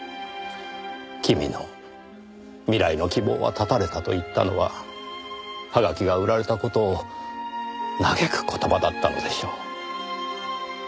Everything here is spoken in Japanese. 君の未来の希望は絶たれたと言ったのははがきが売られた事を嘆く言葉だったのでしょう。